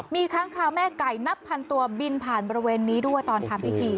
มีค้างคาวแม่ไก่นับพันตัวบินผ่านบริเวณนี้ด้วยตอนทำพิธี